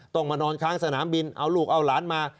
ต้องมานอนค้างสนามบินเอาลูกเอาหลานมา